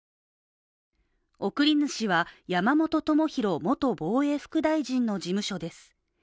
送り主は山本朋広元防衛副大臣の事務所です。